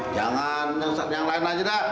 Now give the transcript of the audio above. jangan yang lain aja dah